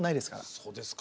そうですか？